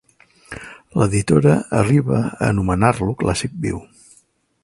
L'editora arriba a anomenar-lo clàssic viu.